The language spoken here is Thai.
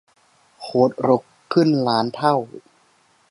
โค้ดรกขึ้นล้านเท่า